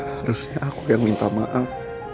harusnya aku yang minta maaf